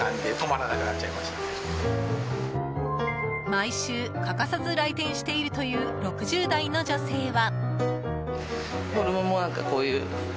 毎週欠かさず来店しているという６０代の女性は。